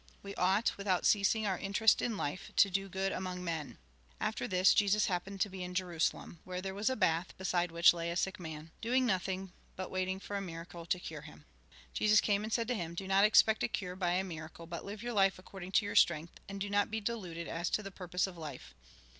We ought, without ceasing our interest in life, to do good among men." After this, Jesus happened to be in Jerusalem, A RECAPITULATION i8i where was a bath, beside which lay a sick man, doing nothing but waiting a miracle to cure him. Jesus came, and said to him :" Do not expect a cure by a miracle, but live your life according to your strength, and do not be deluded as to the purpose of life."